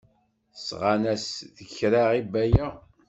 Sɣan-as-d kra i Baya.